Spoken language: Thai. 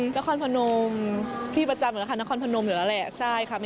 นครพนมพี่ประจำเหมือนค่ะนครพนมอยู่แล้วแหละ